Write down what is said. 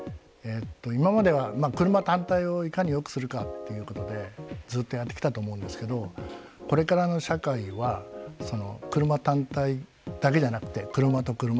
今までは車単体をいかによくするかっていうことでずっとやってきたと思うんですけどこれからの社会は車単体だけじゃなくて車と車。